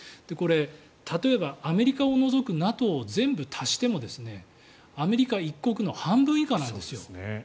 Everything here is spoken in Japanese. これ、例えばアメリカを除くＮＡＴＯを全部足してもアメリカ一国の半分以下なんですよ。